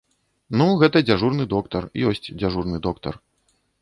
Ну, гэта дзяжурны доктар, ёсць дзяжурны доктар.